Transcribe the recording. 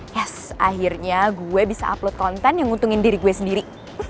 yes akhirnya gue bisa upload konten yang nguntungin diri gue sendiri